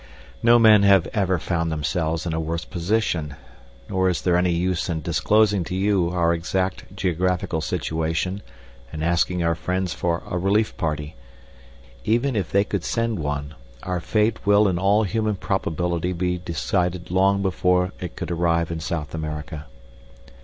No men have ever found themselves in a worse position; nor is there any use in disclosing to you our exact geographical situation and asking our friends for a relief party. Even if they could send one, our fate will in all human probability be decided long before it could arrive in South America.